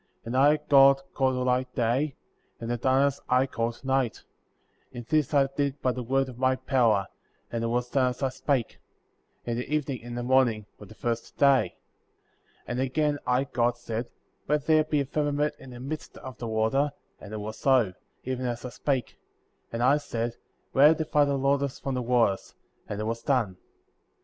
And I, God, called the light Day; and the darkness, I called Night ; and this I did by the word of my power,* and it was done as I spake; and the evening and the morning were the first day. 6. And again, I, God, said : Let there be a firma ment in the midst of the water, and it was so, even as I spake ; and I said : Let it divide the waters from the waters ; and it was done ; 7.